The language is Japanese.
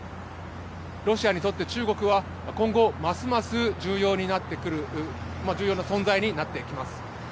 ロシアにとって中国は今後、ますます重要な存在になってきます。